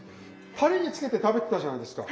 タレにつけて食べてたじゃないですか。